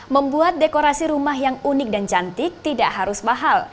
membuat dekorasi rumah yang unik dan cantik tidak harus mahal